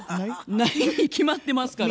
ないに決まってますから。